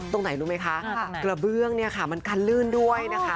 ตรงไหนรู้ไหมคะกระเบื้องเนี่ยค่ะมันกันลื่นด้วยนะคะ